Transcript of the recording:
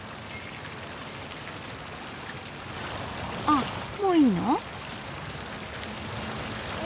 あもういいの？